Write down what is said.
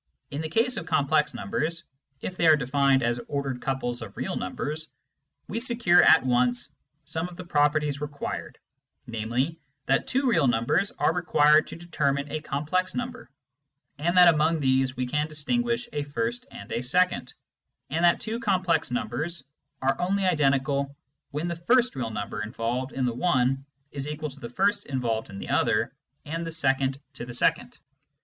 In the case of complex numbers, if they are defined as ordered couples of real numbers, we secure at once some of the properties required, namely, that two real numbers are required to determine a com plex number, and that among these we can distinguish a first and a second, and that two complex numbers are only identical when the first real number involved in the one is equal to the first involved in the other, and the second to the second.